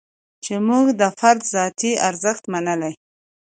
چې موږ د فرد ذاتي ارزښت منلی.